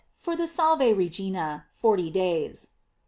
For the ''Sal ve Regina," forty days.